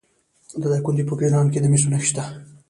د دایکنډي په کجران کې د مسو نښې شته.